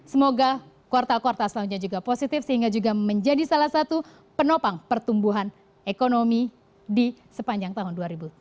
semoga kuartal kuartal selanjutnya juga positif sehingga juga menjadi salah satu penopang pertumbuhan ekonomi di sepanjang tahun dua ribu tujuh belas